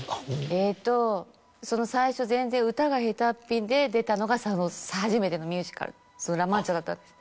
えっと最初全然歌が下手っぴで出たのが初めてのミュージカル『ラ・マンチャ』だったんです。